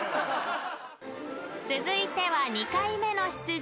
［続いては２回目の出場